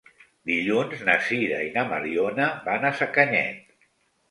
Dilluns na Sira i na Mariona van a Sacanyet.